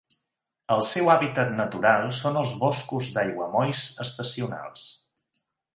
El seu hàbitat natural són els boscos d'aiguamolls estacionals.